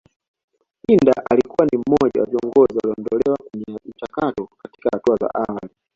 Pinda alikuwa ni mmoja wa vigogo walioondolewa kwenye mchakato katika hatua za awali